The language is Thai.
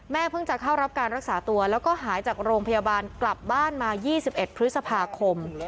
เพิ่งจะเข้ารับการรักษาตัวแล้วก็หายจากโรงพยาบาลกลับบ้านมา๒๑พฤษภาคม